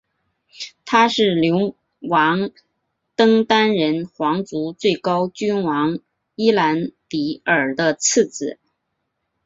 他是流亡登丹人皇族最高君王伊兰迪尔的次子。